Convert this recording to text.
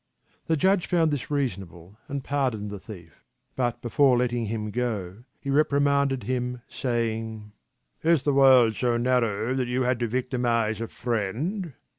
The Judge found this reasonable and pardoned the thief, but before letting him go he reprimanded him, saying: "Is the world so narrow that you had to victimize a friend